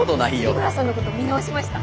杉村さんのこと見直しました。